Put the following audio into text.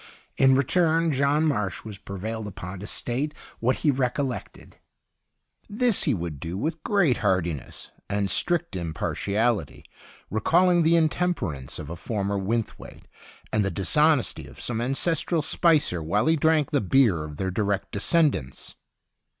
In return, John Marsh was prevailed upon to state what he recollected ; this he would do with great heartiness and strict im partiality, recalling the intemper ance of a former Wynthwaite and the dishonesty of some ancestral Spicer while he drank the beer of their direct descendants.